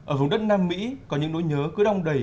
ở vùng đất nam mỹ có những nỗi nhớ cứ đong đầy